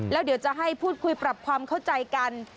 แล้วเดี๋ยวจะให้พูดคุยปรับความเข้าใจกัน